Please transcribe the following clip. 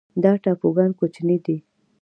دا بوټان کوچني دي